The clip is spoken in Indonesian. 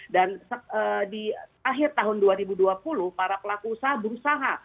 dan di akhir tahun dua ribu dua puluh para pelaku usaha berusaha